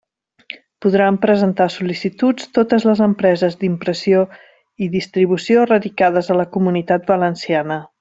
Podran presentar sol·licituds totes les empreses d'impressió i distribució radicades a la Comunitat Valenciana.